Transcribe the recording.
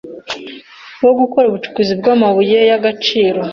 wo gukora ubucukuzi bw'amabuye y'agaciro.